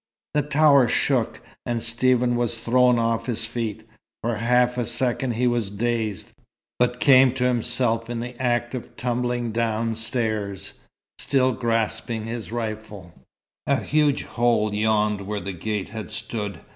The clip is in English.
The tower shook, and Stephen was thrown off his feet. For half a second he was dazed, but came to himself in the act of tumbling down stairs, still grasping his rifle. A huge hole yawned where the gate had stood.